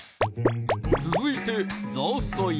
続いてザーサイ